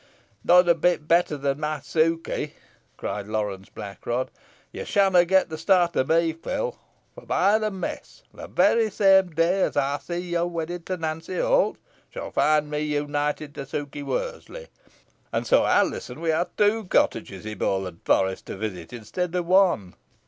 "Not a bit better than my Sukey," cried Lawrence Blackrod. "Ye shanna get th' start o' me, Phil, fo' by th' mess! the very same day os sees yo wedded to Nancy Holt shan find me united to Sukey Worseley. An so Alizon win ha' two cottages i' Bowland Forest to visit i'stead o' one."